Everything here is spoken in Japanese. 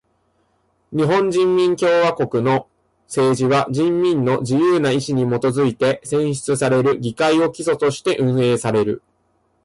日本人民共和国の政治は人民の自由な意志にもとづいて選出される議会を基礎として運営される。